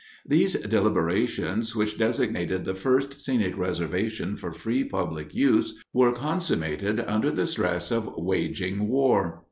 These deliberations, which designated the first scenic reservation for free public use, were consummated under the stress of waging war.